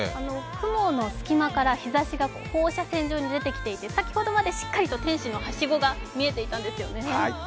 雲の隙間から日ざしが放射線状に出ていて先ほどまでしっかりと天使のはしごが見えていたんですよね。